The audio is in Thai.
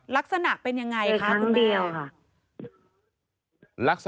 ลักษณะเป็นยังไงครับคุณแม่